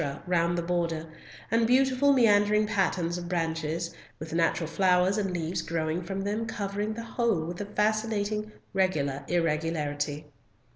round the border, and beautiful meandering patterns of branches, with natural flowers and leaves growing from them covering the whole with a fascinating regular irregularity.